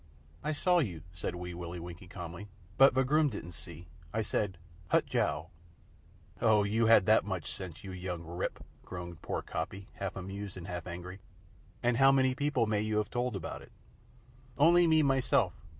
"I saw you," said Wee Willie Winkie, calmly. "But ve groom didn't see. I said, 'Hut jao.'" "Oh, you had that much sense, you young Rip," groaned poor Coppy, half amused and half angry. "And how many people may you have told about it?" "Only me myself.